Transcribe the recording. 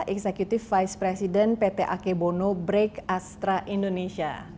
executive vice president pt akebono break astra indonesia